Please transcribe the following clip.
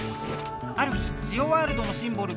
ある日ジオワールドのシンボル